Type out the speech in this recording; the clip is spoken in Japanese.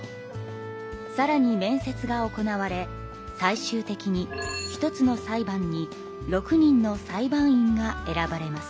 さらに面接が行われ最終的に１つの裁判に６人の裁判員が選ばれます。